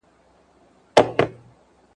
سياستوال په خپلو ويناوو کي عام خلګ هڅوي.